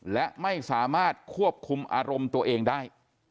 และไม่สามารถควบคุมอารมณ์ตัวเองได้